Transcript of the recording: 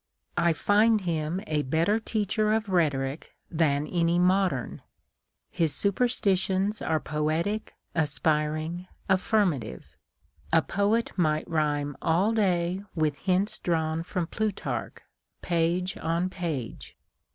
I find him a better teacher of rhetoric than any modern. His superstitions are poetic, aspiring, affirma tive. A poet might rhyme all day with hints drawn from Plutarch, page on page.